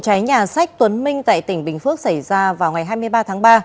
vụ trái nhà sách tuấn minh tại tỉnh bình phước xảy ra vào ngày hai mươi ba tháng ba